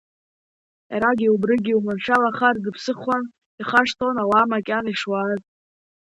Иара убригьы, уманшәалахар дыԥсыхуан, ихашҭлон ауаа макьана ишуааз.